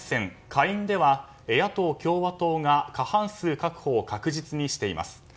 下院では野党・共和党が過半数確保を確実にしています。